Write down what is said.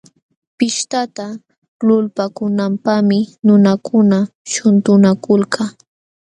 Pishtata lulpaakunanpaqmi nunakuna shuntunakulka.